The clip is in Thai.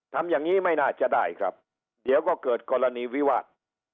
ทำอย่างนี้ไม่น่าจะได้ครับเดี๋ยวก็เกิดกรณีวิวาส